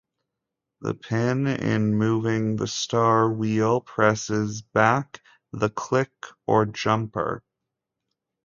The pin in moving the star wheel presses back the click or jumper.